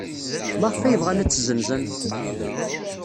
Maɣef ay bɣan ad tt-ssenzen?